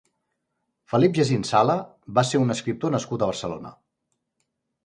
Felip Jacint Sala va ser un escriptor nascut a Barcelona.